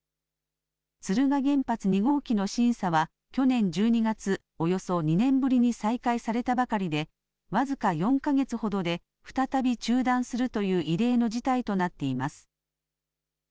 敦賀原発２号機の審査は去年１２月、およそ２年ぶりに再開されたばかりで僅か４か月ほどで再び中断するという異例の事態となっています。